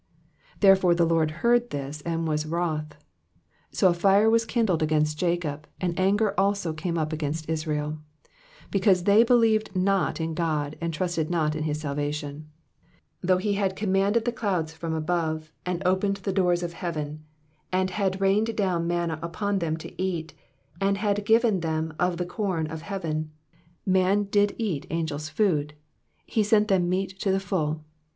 21 Therefore the Lord heard this, and was wroth : so a fire was kindled against Jacob, and anger also came up against Israel ; 22 Because they believed not in God, and trusted not in his salvation : 23 Though he had commanded the clouds from above, and opened the doors of heaven, 24 And had rained down manna upon them to eat, and had given them of the corn of heaven. 25 Man did eat angels' food ; he sent them meat to the full.